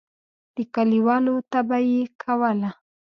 د کلیوالو طبعه یې کوله.